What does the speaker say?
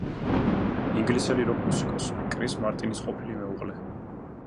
ინგლისელი როკ-მუსიკოს კრის მარტინის ყოფილი მეუღლე.